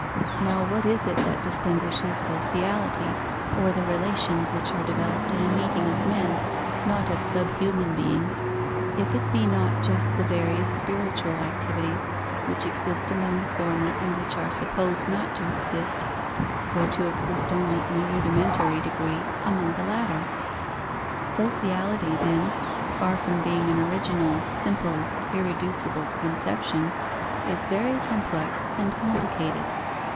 Now what is it that distinguishes sociality, or the relations which are developed in a meeting of men, not of subhuman beings, if it be not just the various spiritual activities which exist among the former and which are supposed not to exist, or to exist only in a rudimentary degree, among the latter? Sociality, then, far from being an original, simple, irreducible conception, is very complex and complicated.